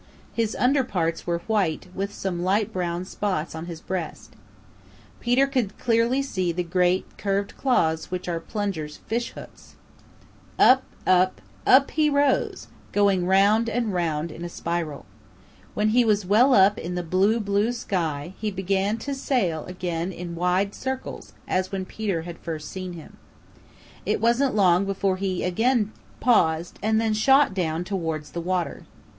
His under parts were white with some light brown spots on his breast. Peter could see clearly the great, curved claws which are Plunger's fishhooks. Up, up, up he rose, going round and round in a spiral. When he was well up in the blue, blue sky, he began to sail again in wide circles as when Peter had first seen him. It wasn't long before he again paused and then shot down towards the water.